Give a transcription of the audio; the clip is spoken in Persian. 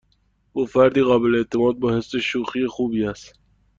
او فردی قابل اعتماد با حس شوخی خوب است.